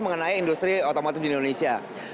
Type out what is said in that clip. mengenai industri otomotif di indonesia